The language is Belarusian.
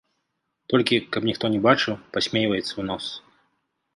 Толькі, каб ніхто не бачыў, пасмейваецца ў нос.